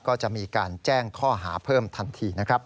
ก็จะมีการแจ้งข้อหาเพิ่มทันทีนะครับ